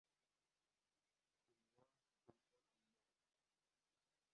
Dunyo – ulkan ummon.